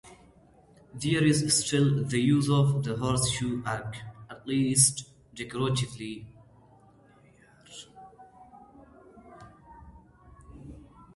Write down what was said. There is still the use of the horseshoe arch, at least decoratively.